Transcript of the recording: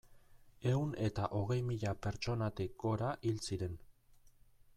Ehun eta hogei mila pertsonatik gora hil ziren.